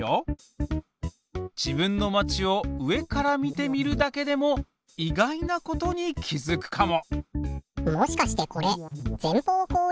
自分の街を上から見てみるだけでも意外なことに気付くかも！